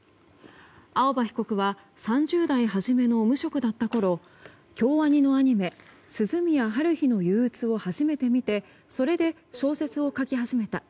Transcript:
青葉被告は３０代初めの無職だったころ京アニのアニメ「涼宮ハルヒの憂鬱」を初めて見てそれで小説を書き始めた。